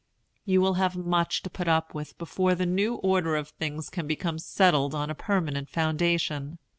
You will have much to put up with before the new order of things can become settled on a permanent foundation.